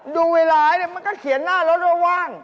ดูเวลามันก็เขียนหน้ารถว่าว่าง